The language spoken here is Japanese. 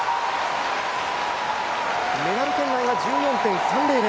メダル圏内は１４．３００。